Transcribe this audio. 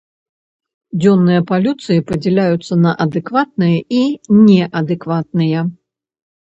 Дзённыя палюцыі падзяляюцца на адэкватныя і неадэкватныя.